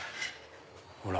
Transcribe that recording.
ほら！